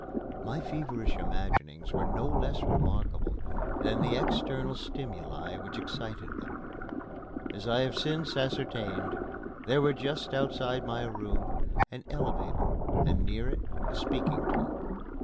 My feverish imaginings were no less remarkable than the external stimuli which excited them. As I have since ascertained, there were just outside my room an elevator and near it a speaking tube.